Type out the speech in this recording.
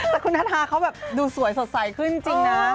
แต่คุณนาทาเขาแบบดูสวยสดใสขึ้นจริงนะ